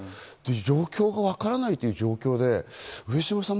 状況がわからないという状況で、上島さん